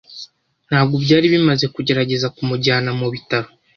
Ntabwo byari bimaze kugerageza kumujyana mu bitaro.